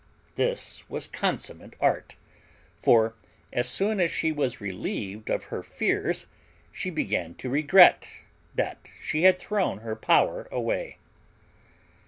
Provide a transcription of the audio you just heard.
This was consummate art; for as soon as she was relieved of her fears she began to regret that she had thrown her power away.